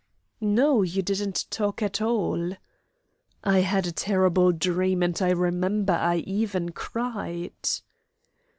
"No, you didn't talk at all." "I had a terrible dream, and I remember I even cried."